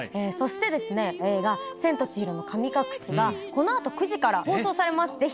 そして映画『千と千尋の神隠し』がこの後９時から放送されます。